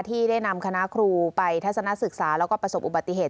ที่ได้นำคณะครูไปทัศนศึกษาแล้วก็ประสบอุบัติเหตุ